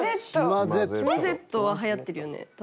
きまＺははやってるよね